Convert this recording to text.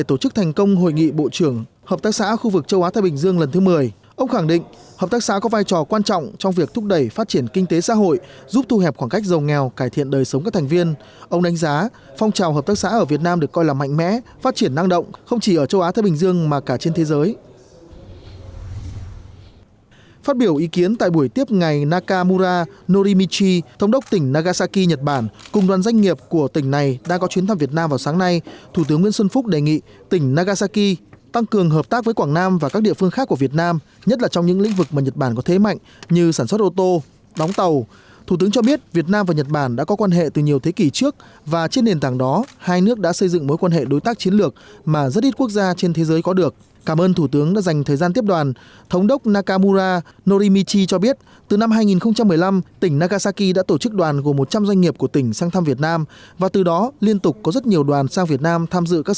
từ năm hai nghìn một mươi năm tỉnh nagasaki đã tổ chức đoàn gồm một trăm linh doanh nghiệp của tỉnh sang thăm việt nam và từ đó liên tục có rất nhiều đoàn sang việt nam tham dự các sự kiện văn hóa như lễ hội nhật bản thầy hội an cũng như tìm kiếm cơ hội hợp tác đầu tư với các doanh nghiệp địa phương của việt nam